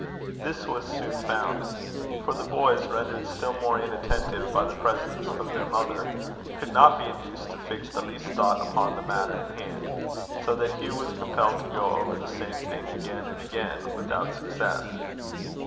This was soon found. For the boys, rendered still more inattentive by the presence of their mother, could not be induced to fix the least thought upon the matter in hand; so that Hugh was compelled to go over the same thing again and again, without success.